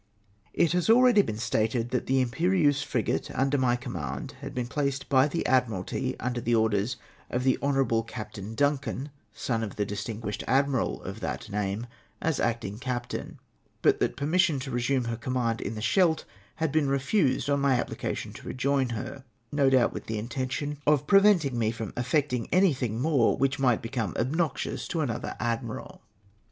It has already been stated that the Imperieuse frigate under my command had been placed by the Admiralty nnder the orders of the Honourable Captain Duncan, son of the chstinguished admiral of that name, as act ing captain ; but that permission to resume her com mand in the Scheldt had been refused on my applica tion to rejoin her ; no doubt with the intention of preventing me from effecting anything more which might become obnoxious to another admiral.